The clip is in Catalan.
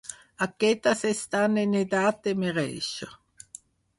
Aquestes estan en edat de merèixer.